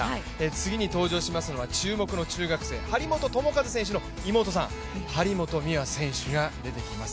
次に登場しますのは注目の中学生、張本智和選手の妹さん、張本美和選手が出てきます。